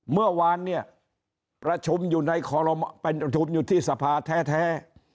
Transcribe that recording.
เมื่อวานเนี่ยประชุมอยู่ที่สภาแท้